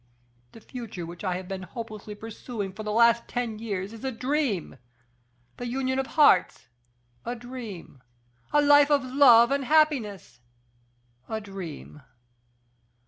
The future which I have been hopelessly pursuing for the last ten years is a dream! the union of hearts, a dream! a life of love and happiness, a dream!